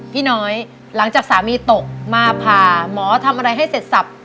พี่น้อยหลังจากสามีตกมาผ่าหมอทำอะไรให้เสร็จสับ